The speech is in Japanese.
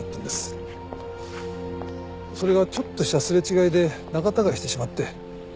それがちょっとした擦れ違いで仲たがいしてしまって。